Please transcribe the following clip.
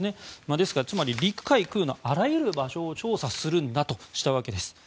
ですから、つまり陸海空のあらゆる場所を調査するんだとしたわけです。